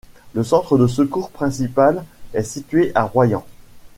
Le centre de secours principal est situé à Royan.